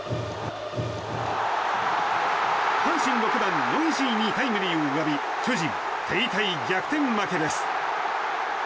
阪神６番、ノイジーにタイムリーを浴び巨人、手痛い逆転負けです。